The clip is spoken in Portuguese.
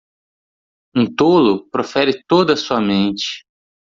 Um tolo profere toda a sua mente.